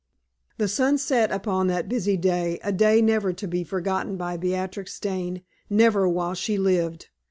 The sun set upon that busy day, a day never to be forgotten by Beatrix Dane, never while she lived.